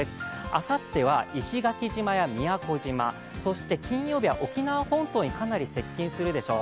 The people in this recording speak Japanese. あさっては石垣島や宮古島、そして金曜日は沖縄本島にかなり接近するでしょう。